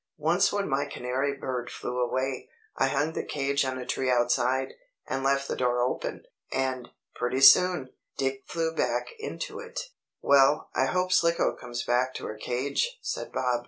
"Once when my canary bird flew away, I hung the cage on a tree outside, and left the door open. And, pretty soon, Dick flew back into it." "Well, I hope Slicko comes back to her cage," said Bob.